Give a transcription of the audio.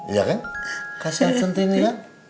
iya kan kasian centini ya